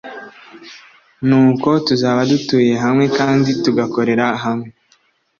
ni uko tuzaba dutuye hamwe kandi tugakorera hamwe”